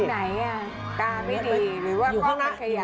ไหนตาไม่ดีหรือว่ากล้องไม่ขยับ